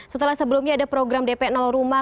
setelah sebelumnya ada program dp rumah